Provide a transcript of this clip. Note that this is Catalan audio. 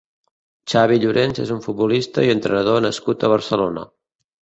Xavi Llorens és un futbolista i entrenador nascut a Barcelona.